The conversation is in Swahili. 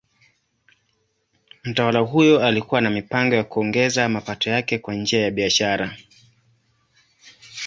Mtawala huyo alikuwa na mipango ya kuongeza mapato yake kwa njia ya biashara.